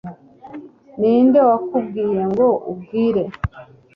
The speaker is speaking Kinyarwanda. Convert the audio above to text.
ninde wakubwiye ngo umbwire